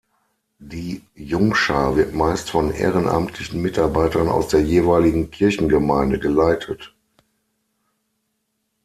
Die Jungschar wird meist von ehrenamtlichen Mitarbeitern aus der jeweiligen Kirchengemeinde geleitet.